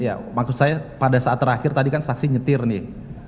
ya maksud saya pada saat terakhir tadi kan saksi nyetir nih